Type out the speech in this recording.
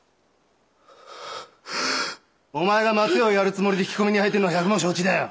お前が松屋をやるつもりで引き込みに入ってるのは百も承知だよ。